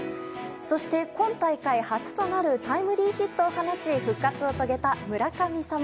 そして、今大会初となるタイムリーヒットを放ち復活を遂げた村神様。